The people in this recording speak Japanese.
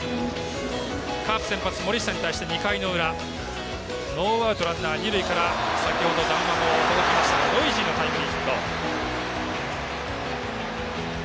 カープ先発、森下に対して２回の裏、ノーアウトランナー、二塁から先ほど談話も届きましたがノイジーのタイムリーヒット。